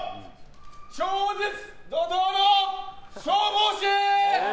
超絶怒涛の消防士！